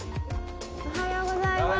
おはようございます。